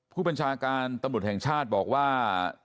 ผู้บัญชาการตำรวจแห่งชาติบอกว่า